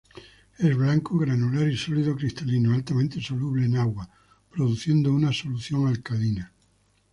Es blanco, granular y sólido cristalino, altamente soluble en agua, produciendo una solución alcalina.